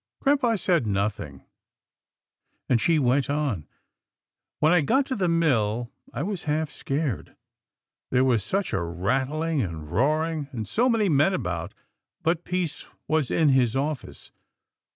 " Grampa said nothing, and she went on, " When I got to the mill I was half scared. There was such a rattling and roaring, and so many men about, but peace was in his office.